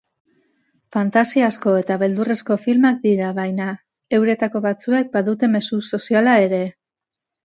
Fantasiazko eta beldurrezko filmak dira baina, euretako batzuek badute mezu soziala ere.